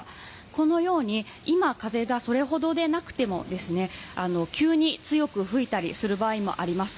このように今、風がそれほどでなくても急に強く吹いたりする場合もあります。